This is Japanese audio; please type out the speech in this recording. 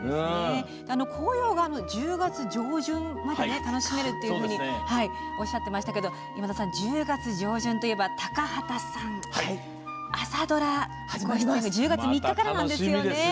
紅葉が１０月上旬まで楽しめるというふうにおっしゃっていましたけど今田さん、１０月上旬といえば高畑さん、朝ドラ始まるのが１０月３日からなんですよね。